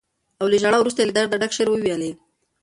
او له ژړا وروسته یې له درده ډک شعر وويلې.